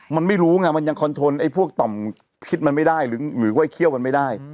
มันไม่รู้ไงมันยังคอนทนไอ้พวกต่อมพิษมันไม่ได้หรือกล้วยเขี้ยวมันไม่ได้